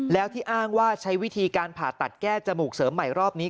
แล้วที่อ้างว่าใช้วิธีการผ่าตัดแก้จมูกเสริมใหม่รอบนี้